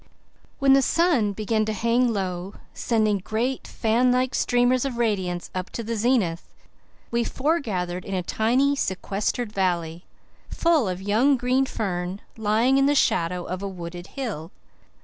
When the sun began to hang low, sending great fan like streamers of radiance up to the zenith, we foregathered in a tiny, sequestered valley, full of young green fern, lying in the shadow of a wooded hill.